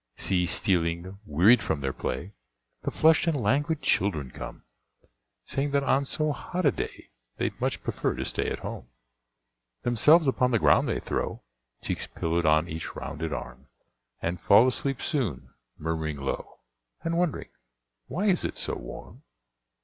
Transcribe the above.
See stealing, wearied from their play, The flushed and languid children come, Saying that on so hot a day They'd much prefer to stay at home. Themselves upon the ground they throw, Cheeks pillowed on each rounded arm And fall asleep soon, murmuring low, And wondering "why it is so warm?"